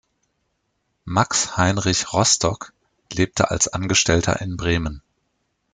Max Heinrich Rostock lebte als Angestellter in Bremen.